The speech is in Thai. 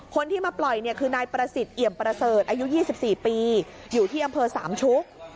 คนที่มาปล่อยเนี่ยคือนายประสิทธิ์เอี่ยมประเสริฐอายุ๒๔ปีอยู่ที่อำเภอสามชุก